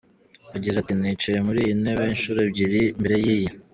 Yagize ati “Nicaye muri iyi ntebe inshuro ebyiri mbere y’iyi.